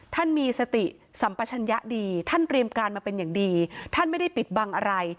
ท่านมีสติสัมปชัญญะดีท่านเตรียมการมาเป็นอย่างดีท่านไม่ได้ปิดบังอะไร